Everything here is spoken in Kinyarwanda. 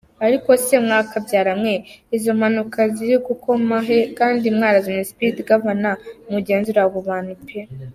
arko ze mwakabyaramwe izo mpanuka zirigukomokahe kandi mwarazanye speed gaverna mugenzure ago Bantu pe.